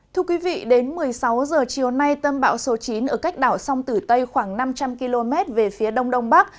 thưa quý vị đến một mươi sáu h chiều nay tâm bão số chín ở cách đảo sông tử tây khoảng năm trăm linh km về phía đông đông bắc